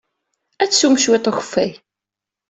Ad teswem cwiṭ n ukeffay.